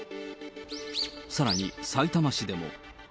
さらに、さいたま市でも。